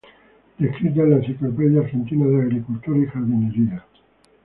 Descrita en la "Enciclopedia Argentina de Agricultura y Jardinería".